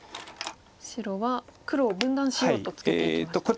白は黒を分断しようとツケていきました。